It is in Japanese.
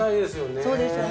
そうですよね